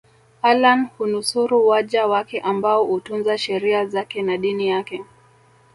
Allah hunusuru waja wake ambao utunza sheria zake na Dini yake